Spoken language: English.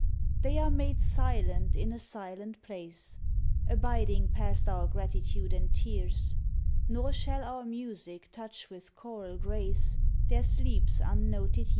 They are made silent in a silent place, Abiding past our gratitude and tears ; Nor shall our music touch with choral grace Their sleep s unnoted years.